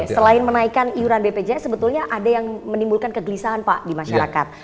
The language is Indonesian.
selain menaikkan iuran bpjs sebetulnya ada yang menimbulkan kegelisahan pak di masyarakat